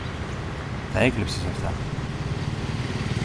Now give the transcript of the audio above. Τα έκλεψες αυτά.